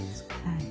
はい。